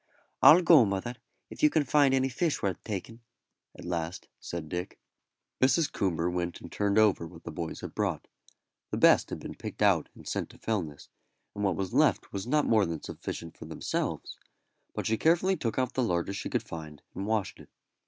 "I'll go, mother, if you can find any fish worth taking," at last said Dick. Mrs. Coomber went and turned over what the boys had brought. The best had been picked out and sent to Fellness, and what was left was not more than sufficient for themselves; but she carefully looked out the largest she could find and washed it.